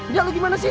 biar gue gimana sih